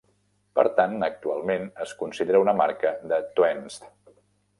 Per tant, actualment es considera una marca de Twents.